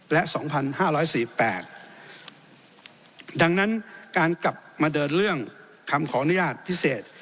และสองพันห้าร้อยสี่แปลงดังนั้นการกลับมาเดินเรื่องคำของอนุญาตพิเศษ